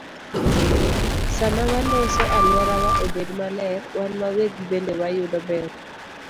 Sama waloso alworawa obed maler, wan wawegi bende wayudo ber.